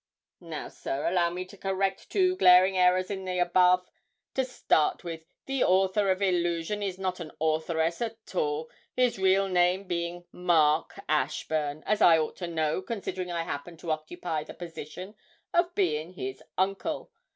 _ '"Now, sir, allow me to correct two glaring errors in the above. To start with, the author of "Illusion" is not an authoress at all his real name being Mark Ashburn, as I ought to know, considering I happen to occupy the position of being his uncle.